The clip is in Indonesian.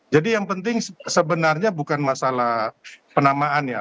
jadi yang penting sebenarnya bukan masalah penamaannya